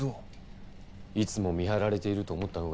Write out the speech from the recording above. いつも見張られていると思ったほうがいい。